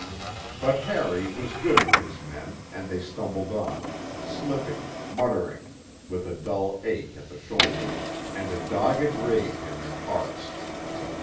But Harry was good with his men, and they stumbled on, slipping, muttering, with a dull ache at the shoulders and a dogged rage in their hearts.